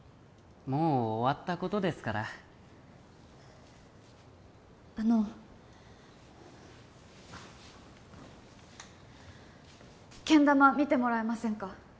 もう終わったことですからあのけん玉見てもらえませんか？